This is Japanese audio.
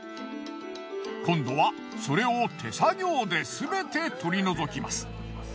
今度はそれを手作業ですべて取り除きます。